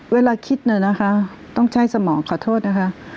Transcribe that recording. เวลาคิดน่ะนะคะต้องใช้สมองขอโทษนะคะ